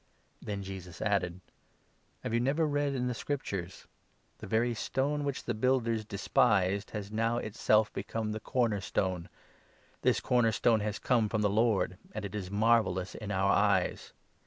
Then Jesus added :" Have you never read in the Scriptures? — 42 ' The very stone which the builders despised — Has now itself become the corner stone ; This corner stone has come from the Lord, And is marvellous in our eyes.'